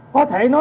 có thể nối tạo đột